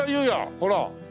ほら。